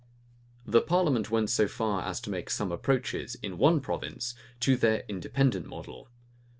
The parliament went so far as to make some approaches, in one province, to their Independent model.